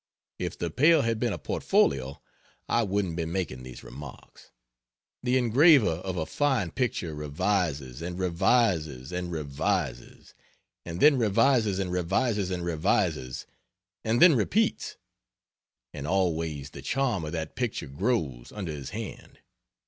If the pail had been a portfolio, I wouldn't be making these remarks. The engraver of a fine picture revises, and revises, and revises and then revises, and revises, and revises; and then repeats. And always the charm of that picture grows, under his hand.